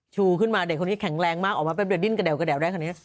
ชูขึ้นมาเด็กคนนี้แข็งแรงมากออกมาดิ้นกระแด๋วนะครับ